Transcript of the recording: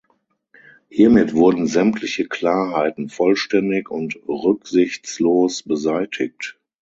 Hiermit wurden sämtliche Klarheiten vollständig und rücksichtslos beseitigt.